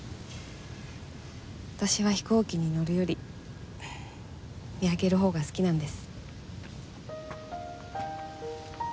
私は飛行機に乗るより見上げるほうが好きなんです。